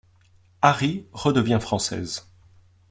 Arry redevient française.